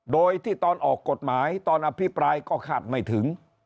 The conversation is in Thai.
โดยที่ตอนออกกฎหมายตอนอภิปรายก็คาดไม่ถึง